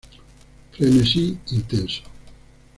Frenesí intenso.